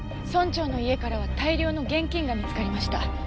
村長の家からは大量の現金が見つかりました。